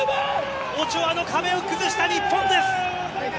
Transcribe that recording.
オチョアの壁を崩した日本です！